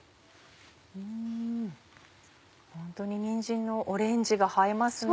ホントににんじんのオレンジが映えますね。